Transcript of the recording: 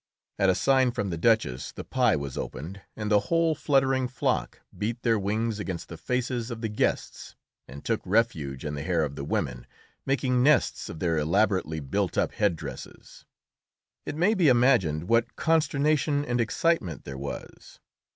At a sign from the Duchess the pie was opened, and the whole fluttering flock beat their wings against the faces of the guests and took refuge in the hair of the women, making nests of their elaborately built up head dresses. It may be imagined what consternation and excitement there was!